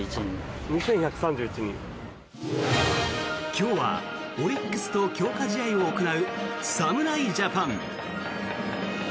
今日はオリックスと強化試合を行う侍ジャパン。